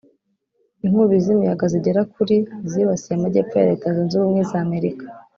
Inkubi z’imiyaga zigera kuri zibasiye amajyepfo ya Leta zunze ubumwe za Amerika